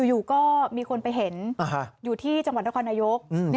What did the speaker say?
อยู่ก็มีคนไปเห็นอยู่ที่จังหวัดนครนายก